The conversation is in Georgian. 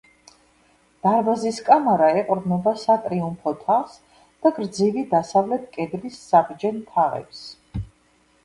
დარბაზის კამარა ეყრდნობა სატრიუმფო თაღს და გრძივი დასავლეთ კედლის საბჯენ თაღებს.